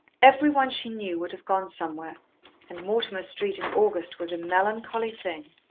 Every one she knew would have gone somewhere, and Mortimer Street in August was a melancholy thing.